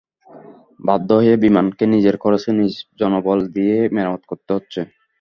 বাধ্য হয়ে বিমানকে নিজের খরচে নিজ জনবল দিয়েই মেরামত করতে হচ্ছে।